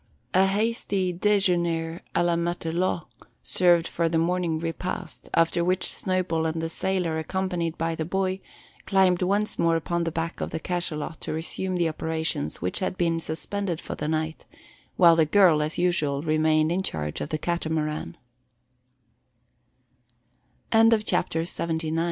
A hasty dejeuner a la matelot served for the morning repast; after which Snowball and the sailor, accompanied by the boy, climbed once more upon the back of the cachalot to resume the operations which had been suspended for the night; while the girl, as usual, remained in charge of the Catamaran. CHAPTER EIGHTY.